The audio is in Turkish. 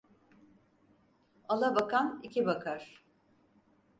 Ala bakan iki bakar.